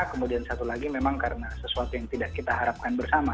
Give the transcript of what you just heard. kemudian satu lagi memang karena sesuatu yang tidak kita harapkan bersama